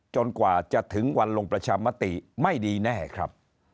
กว่าจะถึงวันลงประชามติไม่ดีแน่ครับ